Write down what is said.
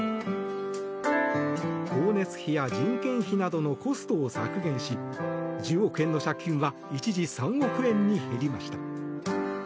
光熱費や人件費などのコストを削減し１０億円の借金は一時３億円に減りました。